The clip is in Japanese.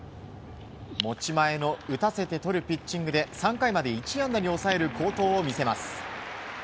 持ち前の打たせてとるピッチングで３回まで１安打に抑える好投を見せます。